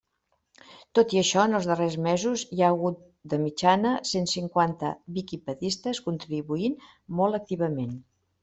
Tot i això, en els darrers mesos hi ha hagut, de mitjana, cent cinquanta “viquipedistes” contribuint molt activament.